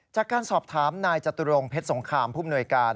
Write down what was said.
จากการสอบถามนายจตุรงเพชรสงครามผู้มนวยการ